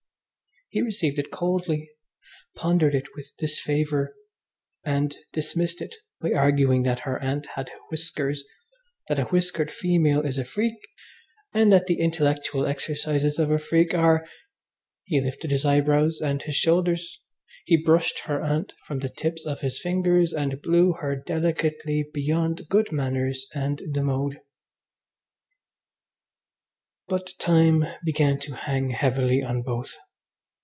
He received it coldly, pondered it with disfavour, and dismissed it by arguing that her Aunt had whiskers, that a whiskered female is a freak, and that the intellectual exercises of a freak are He lifted his eyebrows and his shoulders. He brushed her Aunt from the tips of his fingers and blew her delicately beyond good manners and the mode. But time began to hang heavily on both.